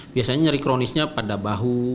biasanya nyeri kronisnya pada bahu